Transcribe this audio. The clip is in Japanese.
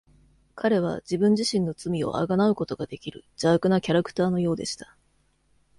彼は、自分自身の罪を贖うことができる、邪悪なキャラクターのようでした。